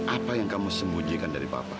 apa yang kamu sembunyikan dari papa